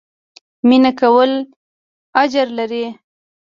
مينه کول اجر لري